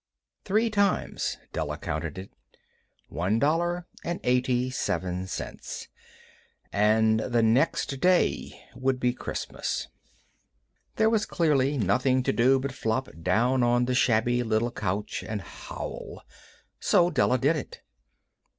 Three times Della counted it. One dollar and eighty seven cents. And the next day would be Christmas. There was clearly nothing to do but flop down on the shabby little couch and howl. So Della did it.